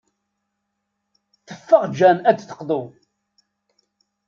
Teffeɣ Jane ad d-teqḍu.